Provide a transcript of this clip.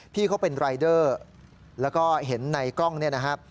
พี่เขาเป็นรายเดอร์แล้วก็เห็นในกล้องเนี่ยนะครับ